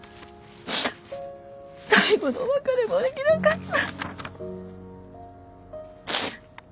最後のお別れもできなかった。